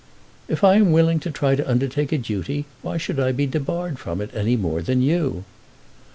"If I am willing to try to undertake a duty, why should I be debarred from it any more than you?"